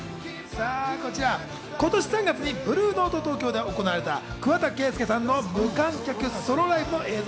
こちら、今年３月にブルーノート東京で行われた桑田佳祐さんの無観客ソロライブの映像。